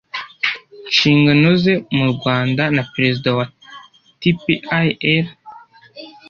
nshingano ze mu rwanda na perezida wa tpir